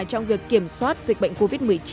trong việc kiểm soát dịch bệnh covid một mươi chín